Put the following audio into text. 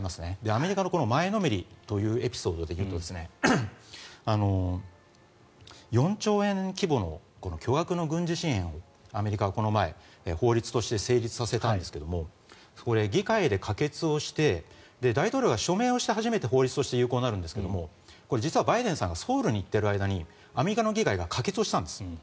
アメリカの前のめりというエピソードでいうと４兆円規模の巨額の軍事支援をアメリカはこの前法律として成立させたんですがそこで議会で可決をして大統領が署名をして初めて法律として有効になるんですがこれ実は、バイデンさんがソウルに行っている間にアメリカの議会が可決したんです。